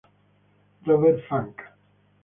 Robert Funk